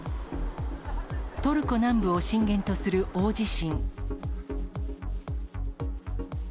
トルコ南部を震源とする大地震。